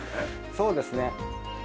そうですね。